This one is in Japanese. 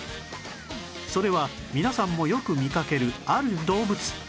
それは皆さんもよく見かけるある動物